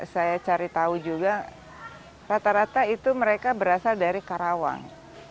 saya cari tahu juga rata rata itu mereka berasal dari karawang